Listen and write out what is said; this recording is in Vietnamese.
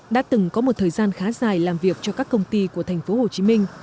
đã từng có một thời gian khá dài làm việc cho các công ty của thành phố hồ chí minh